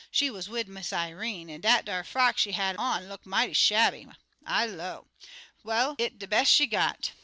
She wuz wid Miss Irene, an' dat 'ar frock she had on look mighty shabby.' I low, 'Well, it de bes' she got.